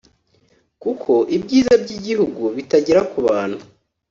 kuko ibyiza by’igihugu bitagera ku bantu